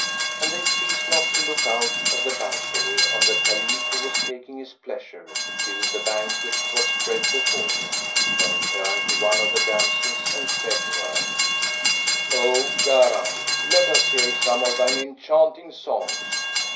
And they ceased not to look out of the balcony on the Caliph who was taking his pleasure, till the banquet was spread before him, when he turned to one of the damsels and said to her, "O Gharám,[FN#189] let us hear some of thine enchanting songs."